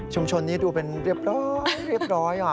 ชุมชนนี้ดูเป็นเรียบร้อยอ่ะ